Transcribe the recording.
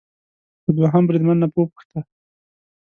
له دوهم بریدمن نه وپوښته